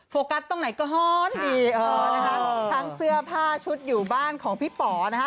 โฟกัสตรงไหนก็ฮอนดีเออนะคะทั้งเสื้อผ้าชุดอยู่บ้านของพี่ป๋อนะคะ